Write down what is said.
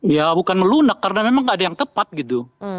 ya bukan melunak karena memang nggak ada yang tepat gitu